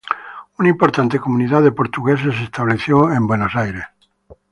Una importante comunidad de portugueses se estableció en Buenos Aires.